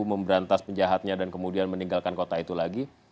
memberantas penjahatnya dan kemudian meninggalkan kota itu lagi